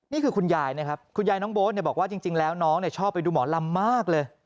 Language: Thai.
คุณยายนะครับคุณยายน้องโบ๊ทบอกว่าจริงแล้วน้องชอบไปดูหมอลำมากเลย